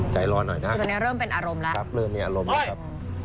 ใจร้อนหน่อยนะคือตอนนี้เริ่มเป็นอารมณ์แล้วครับเริ่มมีอารมณ์แล้วครับ